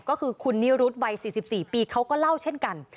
ก็คือคุณนิรุธวัย๔๔ปีเขาก็เล่าเช่นกัน